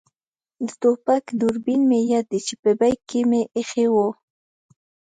د ټوپک دوربین مې یاد دی چې په بېک کې مې اېښی وو.